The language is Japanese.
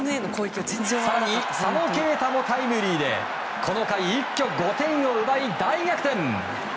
更に佐野恵太もタイムリーでこの回、一挙５点を奪い大逆転。